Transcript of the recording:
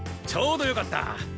ちょうどよかった。